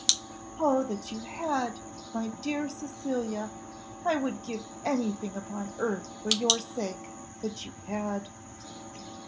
"Oh that you had! my dear Cecilia, I would give anything upon earth for your sake, that you had."